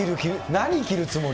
何着るつもり？